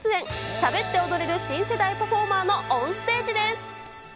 しゃべって踊れる新世代パフォーマーのオンステージです。